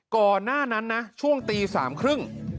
ก่อนหน้านั้นนะช่วงตีสามครึ่ง